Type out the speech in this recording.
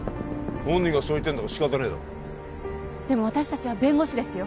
本人がそう言ってんだから仕方ねえだろでも私達は弁護士ですよ